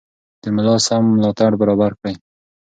د ملا سم ملاتړ برابر کړئ.